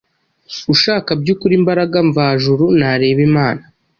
Ushaka by’ukuri imbaraga mvajuru narebe imana,